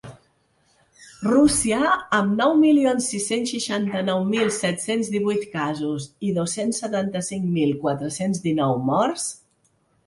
Rússia, amb nou milions sis-cents seixanta-nou mil set-cents divuit casos i dos-cents setanta-cinc mil quatre-cents dinou morts.